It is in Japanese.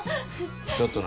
ちょっとな。